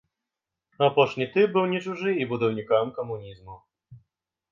Апошні тып быў не чужы і будаўнікам камунізму.